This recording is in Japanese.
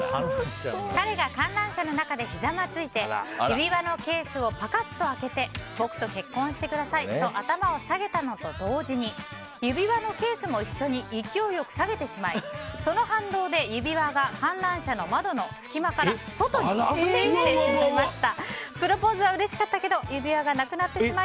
彼が観覧車の中でひざまずいて指輪のケースをパカッと開けて僕と結婚してくださいと頭を下げたのと同時に指輪のケースも一緒に勢いよく下げてしまいその反動で指輪が観覧車の窓の隙間から外に落ちてしまいました。